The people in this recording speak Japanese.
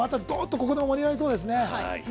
ここで盛り上がりそうですね。